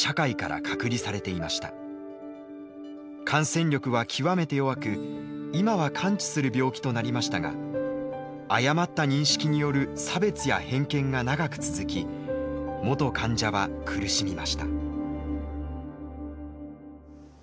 感染力は極めて弱く今は完治する病気となりましたが誤った認識による差別や偏見が長く続き元患者は苦しみました。